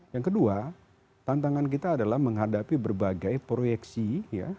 yang kedua tantangan kita adalah menghadapi berbagai proyeksi ya